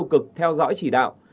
cực theo dõi chỉ đạo